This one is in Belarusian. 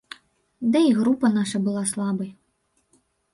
Ды і група наша была слабай.